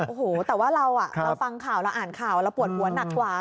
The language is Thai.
โอ้โหแต่ว่าเราฟังข่าวเราอ่านข่าวเราปวดหัวหนักกว่า